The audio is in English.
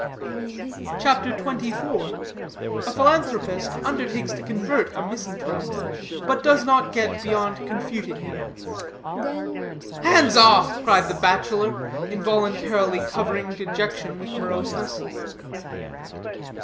CHAPTER XXIV. A PHILANTHROPIST UNDERTAKES TO CONVERT A MISANTHROPE, BUT DOES NOT GET BEYOND CONFUTING HIM. "Hands off!" cried the bachelor, involuntarily covering dejection with moroseness.